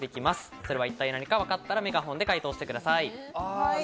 それは一体何かわかったらメガホンで解答してください。